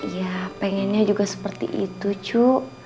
ya pengennya juga seperti itu cu